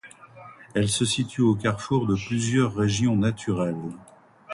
Elle se situe au carrefour de plusieurs régions naturelles.